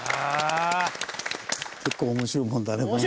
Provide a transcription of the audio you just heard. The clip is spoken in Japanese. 結構面白いもんだねこの。